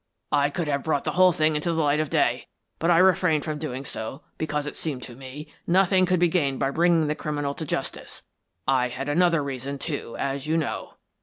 I could have brought the whole thing into the light of day, but I refrained from doing so because, it seemed to me, nothing could be gained by bringing the criminal to justice. I had another reason, too, as you know."